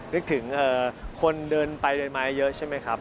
นึกถึงคนเดินไปเดินมาเยอะใช่ไหมครับ